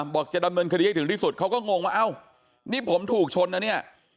บอกจะดำเนินคดีให้ถึงที่สุดเขาก็งงว่าเอ้านี่ผมถูกชนนะเนี่ย